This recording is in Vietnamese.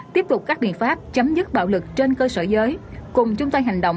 tiếp tục các biện pháp chấm dứt bạo lực trên cơ sở giới cùng chung tay hành động